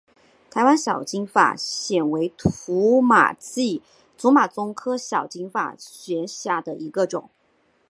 台湾小金发藓为土马鬃科小金发藓属下的一个种。